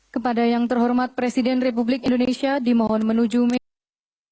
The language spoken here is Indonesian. kepada yang terhormat presiden republik indonesia dimohon menuju mei